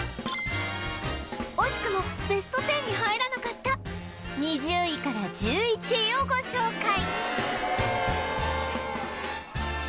惜しくも ＢＥＳＴ１０ に入らなかった２０位から１１位をご紹介